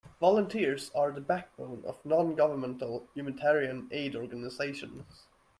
Volunteers are the backbone of non-governmental humanitarian aid organizations.